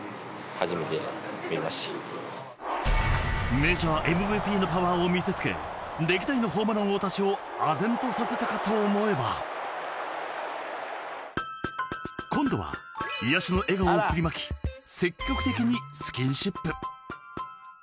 メジャーＭＶＰのパワーを見せつけ歴代のホームラン王たちをあぜんとさせたかと思えば今度は癒やしの笑顔を振りまき積極的にスキンシップ。